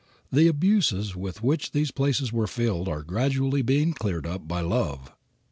The abuses with which these places were filled are gradually being cleared up by love.